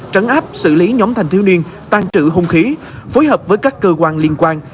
trấn áp xử lý nhóm thành thiếu niên tăng trự không khí phối hợp với các cơ quan liên quan